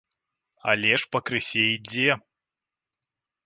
Але ж пакрысе ідзе!